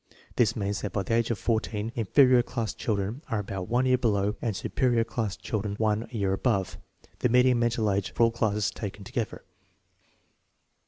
This means that by the age of 14 inferior class children are about one year below, and superior class children one year above, the median mental age for all classes taken together.